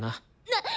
なっ！